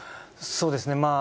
そうですね。